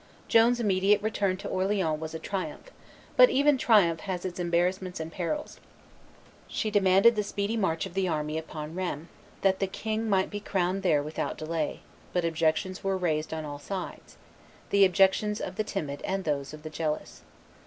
Joan's immediate return to Orleans was a triumph; but even triumph has its embarrassments and perils. She demanded the speedy march of the army upon Rheims, that the king might be crowned there without delay; but objections were raised on all sides, the objections of the timid and those of the jealous.